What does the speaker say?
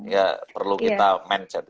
ya perlu kita menjaga